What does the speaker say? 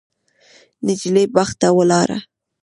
نجلۍ باغ ته ولاړه.